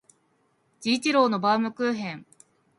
治一郎のバームクーヘン